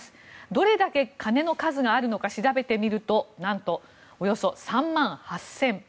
どれだけ鐘の数があるか調べてみると何と、およそ３万８０００。